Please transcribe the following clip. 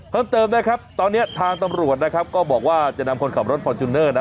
เพิ่มเติมนะครับตอนนี้ทางตำรวจนะครับก็บอกว่าจะนำคนขับรถฟอร์จูเนอร์นะ